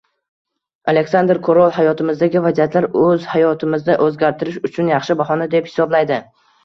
Aleksandr Korol hayotimizdagi vaziyatlar – o‘z hayotimizni o‘zgartirish uchun yaxshi bahona, deb hisoblaydi